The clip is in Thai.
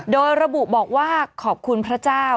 โดยระบุบอกว่าขอบคุณพระเจ้า